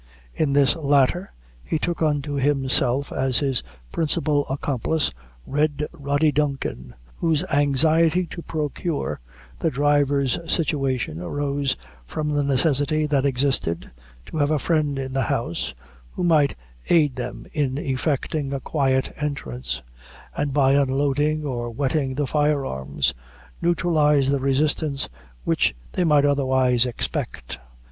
In this latter, he took unto himself as his principal accomplice, Red Rody Duncan, whose anxiety to procure the driver's situation arose from the necessity that existed, to have a friend in the house, who might aid them in effecting a quiet entrance, and by unloading or wetting the fire arms, neutralize the resistance which they might otherwise expect.